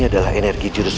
aku akan menangkapmu